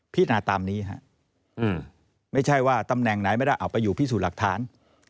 นาตามนี้ฮะไม่ใช่ว่าตำแหน่งไหนไม่ได้เอาไปอยู่พิสูจน์หลักฐาน